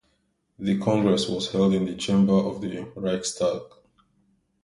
The congress was held in the Chamber of the Reichstag.